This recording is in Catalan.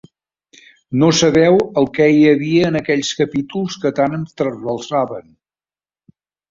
No sabeu el què hi havia en aquells capítols que tant em trasbalsaven.